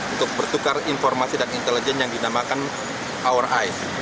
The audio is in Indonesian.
untuk bertukar informasi dan intelijen yang dinamakan our eyes